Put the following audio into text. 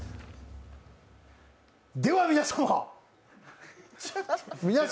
では皆様！